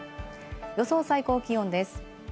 予想最高気温です。